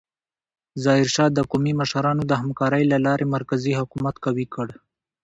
ظاهرشاه د قومي مشرانو د همکارۍ له لارې مرکزي حکومت قوي کړ.